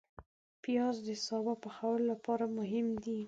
پیاز د سابه پخولو لپاره مهم دی